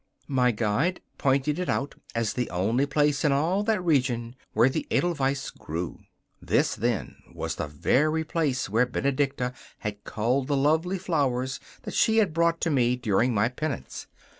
My guide pointed it out as the only place in all that region where the edelweiss grew. This, then, was the very place where Benedicta had culled the lovely flowers that she had brought to me during my penance.